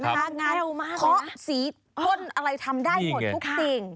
งานเย่อง่ากนั้นเคาะสีพ่นอะไรทำได้หมดทุกสิ่ง